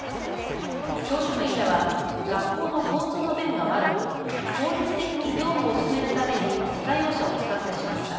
教職員らは学校の交通の便が悪く効率的に業務を進めるために自家用車を使ってしまった。